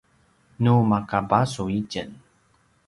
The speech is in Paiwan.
nu maka basu itjen